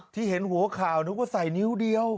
ที่เห็นหัวข่าวนึกว่าใส่นิ้วเดียว